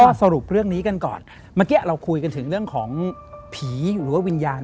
ก็สรุปเรื่องนี้กันก่อนเมื่อกี้เราคุยกันถึงเรื่องของผีหรือว่าวิญญาณ